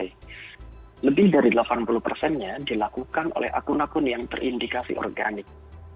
jadi dari delapan puluh persennya dilakukan oleh akun akun yang terindikasi organik